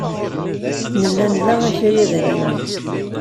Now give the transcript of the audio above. Nella nla akayad animi.